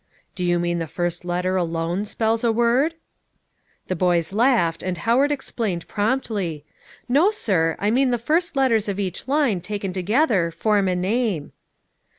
"Do you mean the first letter alone spells a word?" The boys laughed, and Howard explained promptly. "No, sir; I mean the first letters of each line taken together form a name."